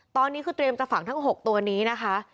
ตอนนี้คือเตรียมจะฝังทั้ง๖ตัวนี้นะคะ